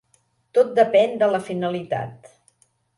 Tot depèn de la finalitat.